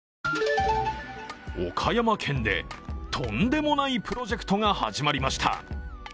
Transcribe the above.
岡山県で、とんでもないプロジェクトが始まりました。